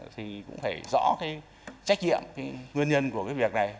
thì cũng phải rõ cái trách nhiệm cái nguyên nhân của cái việc này